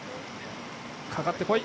かかってこい！